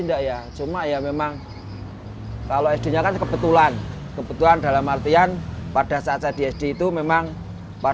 pak yono pak yono kan sekarang gelarnya udah s dua nih gelarnya kan s dua masih tambal ban